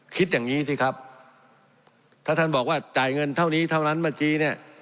คิดอย่างนี้สิครับถ้าท่านบอกว่าจ่ายเงินเท่านี้เท่านั้นเมื่อกี้เนี่ย